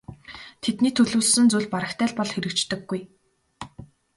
Тэдний төлөвлөсөн зүйл барагтай л бол хэрэгждэггүй.